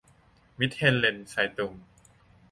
มิตเทลเลนไซตุง